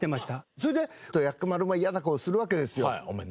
それで薬丸も嫌な顔するわけですよ。